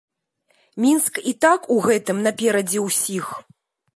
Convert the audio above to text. Мінск і так у гэтым наперадзе ўсіх.